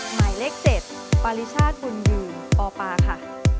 หมายเลข๗ปริศาจดุลดื่มปปค่ะ